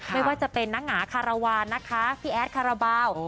ไม่ว่าจะเป็นน้ำหาขาราวาพี่แอดขาราบาว